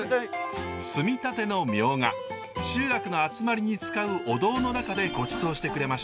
摘みたてのミョウガ集落の集まりに使うお堂の中でごちそうしてくれました。